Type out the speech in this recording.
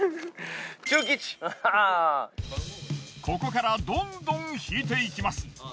ここからどんどん引いていきます。